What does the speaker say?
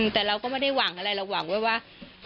แต่เราก็ไม่ได้หวังอะไรเราหวังไว้ว่า